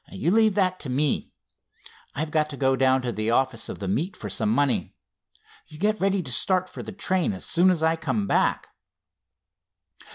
"You leave that to me. I've got to go down to the offices of the meet for some money. You get ready to start for the train as soon as I come back."